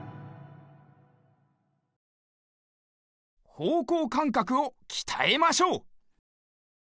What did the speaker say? ほうこうかんかくをきたえましょう。